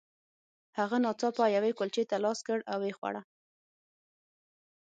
هغه ناڅاپه یوې کلچې ته لاس کړ او ویې خوړه